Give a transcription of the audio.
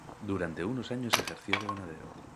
Durante unos años ejerció de ganadero.